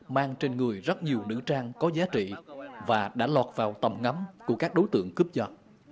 mang trên người rất nhiều nữ trang có giá trị và đã lọt vào tầm ngắm của các đối tượng cướp dật